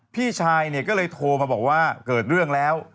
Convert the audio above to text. พี่ชายเนี่ยก็เลยโทรมาบอกว่าเกิดเรื่องแล้ว